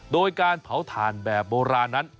โดยการเผาถ่านแบบโบราณนั้น